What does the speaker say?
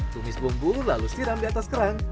tumis bumbu lalu siram di atas kerang